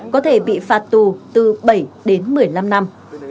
có thể bị phạt tù từ bảy đến một mươi năm năm